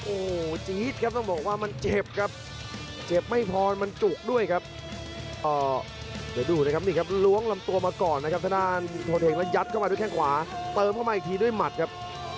โอ้โหล่วงครับอืมปิดเกมไว้เลยครับ